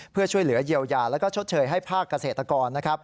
เพื่อช่วยเหลือเยียวยาและชดเชยให้ภาคเกษตรกร